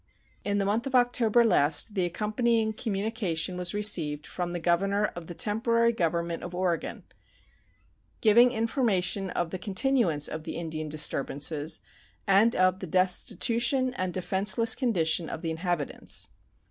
In the month of October last the accompanying communication was received from the governor of the temporary government of Oregon, giving information of the continuance of the Indian disturbances and of the destitution and defenseless condition of the inhabitants.